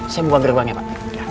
saya mau ambil uangnya pak